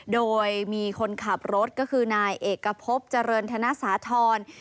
โดยมีคนขับรถก็คือนายเอกพบเจริญธนสาธรณ์